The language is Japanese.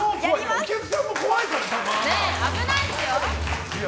お客さんも怖いよ、これ。